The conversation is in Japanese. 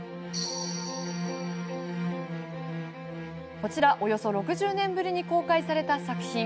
こちら、およそ６０年ぶりに公開された作品。